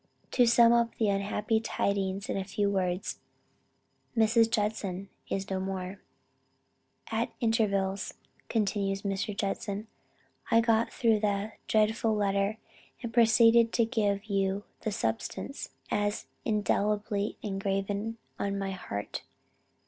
To sum up the unhappy tidings in a few words Mrs. Judson is no more.' At intervals," continues Mr. Judson, "I got through the dreadful letter and proceed to give you the substance, as indelibly engraven on my heart."